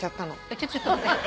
ちょっと待って。